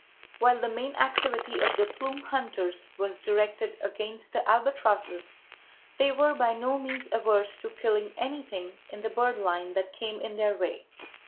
"While the main activity of the plume hunters was directed against the albatrosses, they were by no means averse to killing anything in the bird line that came in their way.